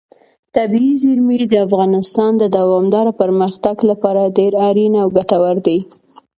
طبیعي زیرمې د افغانستان د دوامداره پرمختګ لپاره ډېر اړین او ګټور دي.